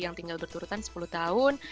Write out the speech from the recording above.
yang tinggal berturutan sepuluh tahun